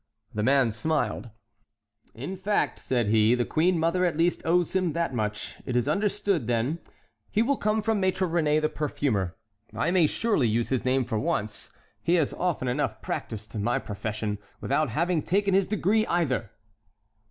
The man smiled. "In fact," said he, "the queen mother at least owes him that much. It is understood, then; he will come from Maître Réné, the perfumer. I may surely use his name for once: he has often enough practised my profession without having taken his degree either."